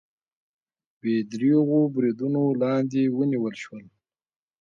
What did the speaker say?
بې درېغو بریدونو لاندې ونیول شول